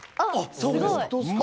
そうですか。